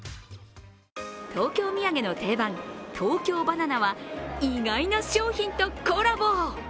東京土産の定番、東京ばな奈は意外な商品とコラボ。